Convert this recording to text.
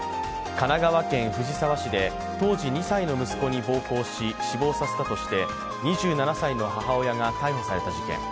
神奈川県藤沢市で当時２歳の息子に暴行し死亡させたとして２７歳の母親が逮捕された事件。